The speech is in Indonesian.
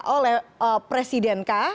oleh presiden kah